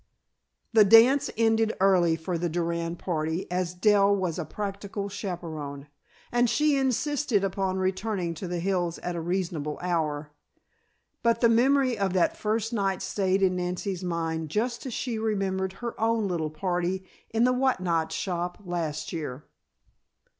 The dance ended early for the Durand party, as Dell was a practical chaperon, and she insisted upon returning to the hills at a reasonable hour. But the memory of that first night stayed in Nancy's mind just as she remembered her own little party in the Whatnot Shop last year.